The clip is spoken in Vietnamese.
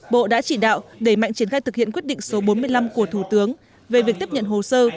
bộ đã chỉ đạo đẩy mạnh triển khai thực hiện quyết định số bốn mươi năm của thủ tướng về việc tiếp nhận hồ sơ